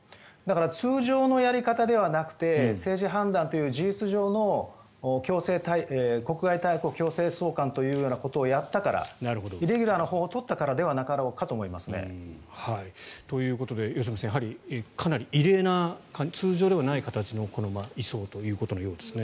通常のやり方ではなくて政治判断という事実上の国外退去強制送還というようなことをやったからイレギュラーな方法を取ったからではないかとということで良純さんかなり異例な通常ではない形での移送ということのようですね。